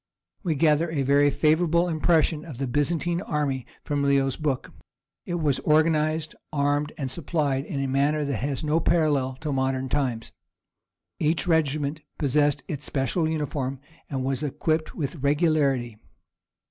We gather a very favourable impression of the Byzantine army from Leo's book; it was organized, armed, and supplied in a manner that has no parallel till modern times. Each regiment possessed its special uniform, and was equipped with regularity.